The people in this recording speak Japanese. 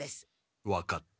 分かった。